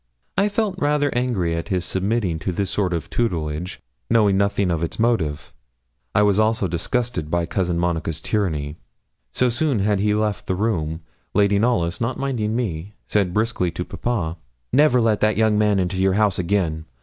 I felt rather angry at his submitting to this sort of tutelage, knowing nothing of its motive; I was also disgusted by Cousin Monica's tyranny. So soon as he had left the room, Lady Knollys, not minding me, said briskly to papa, 'Never let that young man into your house again.